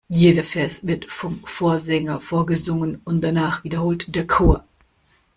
Jeder Vers wird vom Vorsänger vorgesungen und danach wiederholt der Chor.